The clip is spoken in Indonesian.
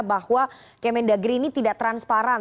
bahwa kemendagri ini tidak transparan